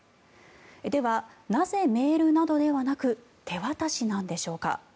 では、なぜメールなどではなく手渡しなんでしょうか。